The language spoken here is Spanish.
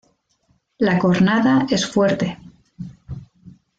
La cornada es fuerte.